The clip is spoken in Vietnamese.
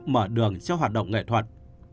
mở đường cho hoạt động nghệ thuật